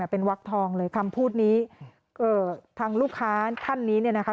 เป็นวักทองเลยคำพูดนี้ทางลูกค้าท่านนี้เนี่ยนะคะ